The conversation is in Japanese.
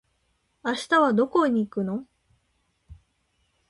明日はどこに行くの？